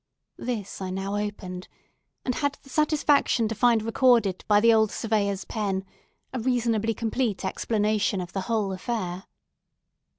This I now opened, and had the satisfaction to find recorded by the old Surveyor's pen, a reasonably complete explanation of the whole affair.